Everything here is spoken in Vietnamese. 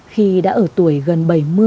khi đã ở tuổi gần bảy mươi